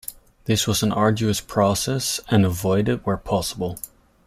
This was an arduous process and avoided where possible.